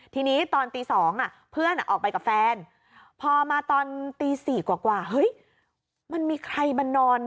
ทีนี้ตอนตี๒เพื่อนออกไปกับแฟนพอมาตอนตี๔กว่าเฮ้ยมันมีใครมานอน